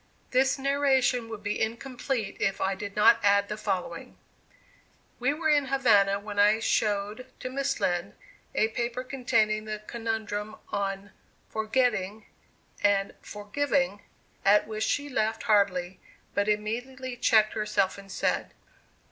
This narration would be incomplete if I did not add the following: We were in Havana when I showed to Miss Lind a paper containing the conundrum on "for getting" and "for giving," at which she laughed heartily, but immediately checked herself and said: "O!